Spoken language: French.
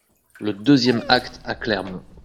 Le deuxième acte à Clermont.